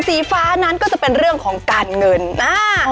สีฟ้านั้นก็จะเป็นเรื่องของการเงินอ่า